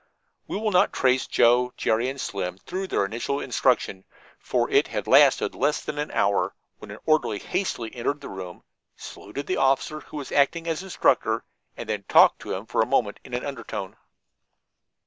We will not trace Joe, Jerry and Slim through their initial instruction, for it had lasted less than an hour, when an orderly hastily entered the room, saluted the officer who was acting as instructor, and then talked to him for a moment in an undertone.